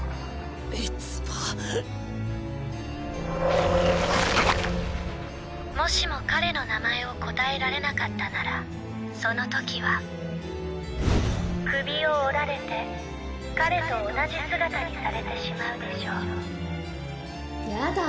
三葉もしも彼の名前を答えられなかったならその時は首を折られて彼と同じ姿にされてしまうでしょうやだ